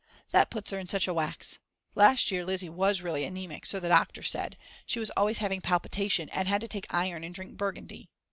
That puts her in such a wax. Last year Lizzi was really anemic, so the doctor said, she was always having palpitation and had to take iron and drink Burgundy.